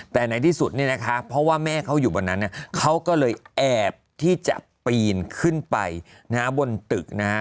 แต่ในที่สุดเนี่ยนะคะเพราะว่าแม่เขาอยู่บนนั้นเขาก็เลยแอบที่จะปีนขึ้นไปบนตึกนะฮะ